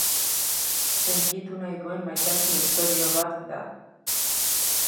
Hunkitu nahi duen maitasun istorio bat da.